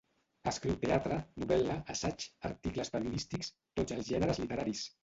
Escriu teatre, novel·la, assaig, articles periodístics… tots els gèneres literaris.